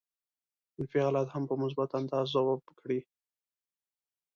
منفي حالات هم په مثبت انداز ځواب کړي.